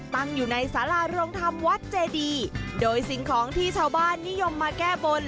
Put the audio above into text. ตั้งอยู่ในสาราโรงธรรมวัดเจดีโดยสิ่งของที่ชาวบ้านนิยมมาแก้บน